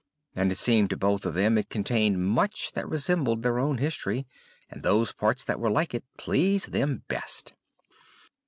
And it seemed to both of them it contained much that resembled their own history; and those parts that were like it pleased them best.